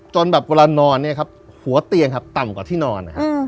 จนเวลานอนหัวเตียงต่ำกว่าที่นอน